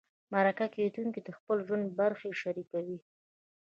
مرکه کېدونکی د خپل ژوند برخې شریکوي.